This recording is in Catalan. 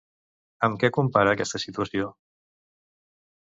Amb què compara aquesta situació?